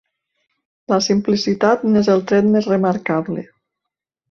La simplicitat n'és el tret més remarcable.